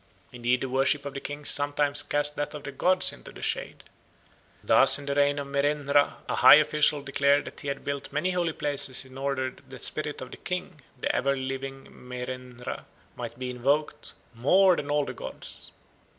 Indeed the worship of the kings sometimes cast that of the gods into the shade. Thus in the reign of Merenra a high official declared that he had built many holy places in order that the spirits of the king, the ever living Merenra, might be invoked "more than all the gods."